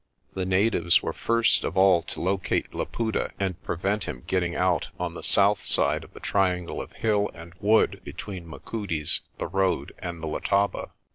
The natives were first of all to locate Laputa and prevent him getting out on the south side of the triangle of hill and wood between Machudi's, the road, and the Letaba.